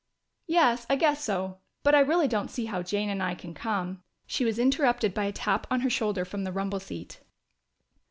"Yes, I guess so. But I really don't see how Jane and I can come " She was interrupted by a tap on her shoulder from the rumble seat.